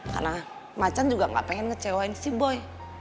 karena macan juga gak pengen ngecewain si boy